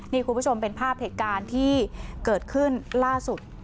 นี่คุณผู้ชมเป็นภาพเหตุการณ์ที่เกิดขึ้นล่าสุด